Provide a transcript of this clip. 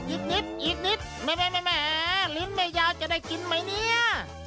อีกนิดอีกนิดแม่ลิ้นแม่ยาวจะได้กินไหมเนี่ย